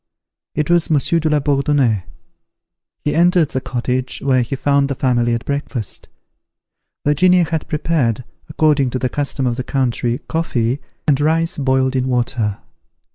It was Monsieur de la Bourdonnais. He entered the cottage, where he found the family at breakfast. Virginia had prepared, according to the custom of the country, coffee, and rice boiled in water.